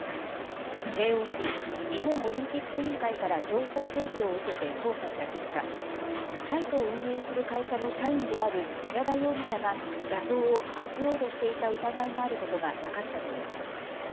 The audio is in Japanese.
ＪＯＣ・日本オリンピック委員会から情報提供を受けて捜査した結果、サイトを運営する会社の社員である寺田容疑者が画像をアップロードしていた疑いがあることが分かったということです。